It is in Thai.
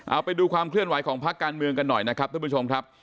เอาไปดูความเคลื่อนไหวของพักการเมืองกันหน่อยนะครับท่านผู้ชมครับ